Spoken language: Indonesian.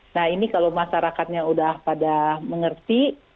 nah ini kalau masyarakatnya udah pada mengerti